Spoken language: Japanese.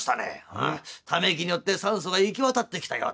「うんため息によって酸素が行き渡ってきたようだ。